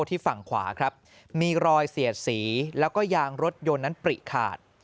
ที่ฝั่งขวาครับมีรอยเสียดสีแล้วก็ยางรถยนต์นั้นปริขาด